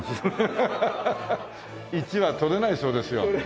１は取れないそうですよ。